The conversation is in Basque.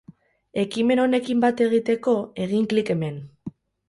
Ekimen honekin bat egiteko, egin klik hemen.